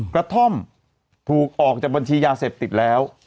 กระท่อมถูกออกจากบัญชียาเสพติดแล้ว